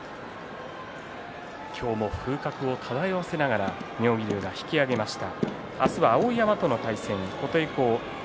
今日も風格を漂わせながら妙義龍が引き揚げました。